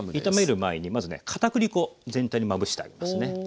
炒める前にまずねかたくり粉全体にまぶしてあげますね。